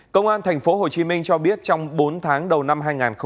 công an tp hcm cho biết trong bốn tháng đầu năm hai nghìn hai mươi bốn